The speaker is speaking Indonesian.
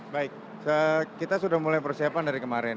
baik kita sudah mulai persiapan dari kemarin